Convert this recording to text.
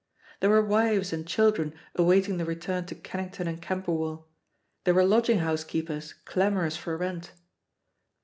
There were wives and children awaiting the return to Kennington and CamberweU; there were lodging house keepers clamorous for rent.